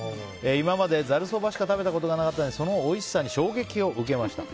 今までざるそばしか食べたことがなかったのでそのおいしさに衝撃を受けました。